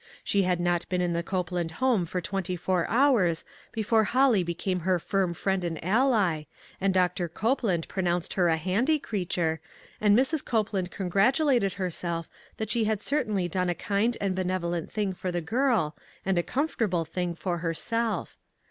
She had not been in the Cope land home for twenty four hours before Holly became her firm friend and ally, and Doctor Copeland pronounced her a handy creature, and Mrs. Copeland congratulated herself that she had certainly done a kind and benevolent thing for the girl, and a comfortable thing for herself.